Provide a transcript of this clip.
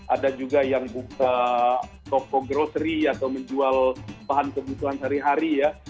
ada juga yang buka toko grocery atau menjual bahan kebutuhan sehari hari ya